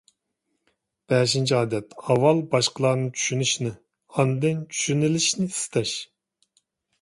بەشىنچى ئادەت، ئاۋۋال باشقىلارنى چۈشىنىشنى، ئاندىن چۈشىنىلىشنى ئىستەش.